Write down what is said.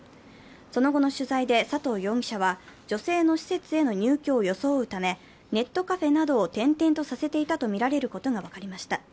その後の取材で、佐藤容疑者は、女性の施設への入居を装うためネットカフェなどを転々とさせていたとみられることが分かりました。